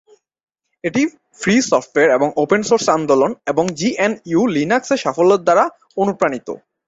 এটি free software এবং open source আন্দোলন এবং জিএনইউ/লিনাক্সের সাফল্যের দ্বারা অনুপ্রাণিত।